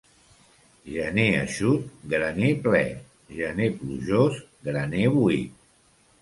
Gener eixut, graner ple; gener plujós, graner buit.